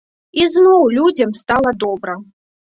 І зноў людзям стала добра.